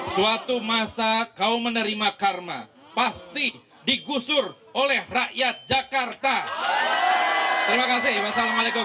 suatu masa kau menerima karma pasti digusur oleh rakyat jakarta terima kasih wassalamualaikum